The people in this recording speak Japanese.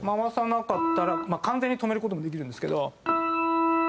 まあ完全に止める事もできるんですけど。